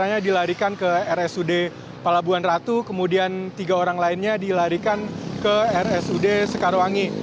maksudnya dilarikan ke rsud palabuhan ratu kemudian tiga orang lainnya dilarikan ke rsud sekarwangi